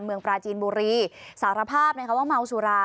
เมืองปลาจีนบุรีสารภาพเนี่ยว่าเมาสุรา